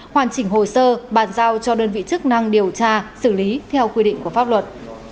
hoàn chỉnh hồ sơ bàn giao cho đơn vị chức năng điều tra xử lý theo quy định của pháp luật